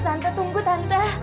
tante tunggu tante